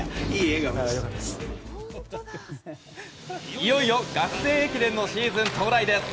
いよいよ学生駅伝のシーズン到来です。